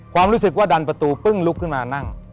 ความรู้สึกว่าดันประตูปึ้งลุกขึ้นมานั่ง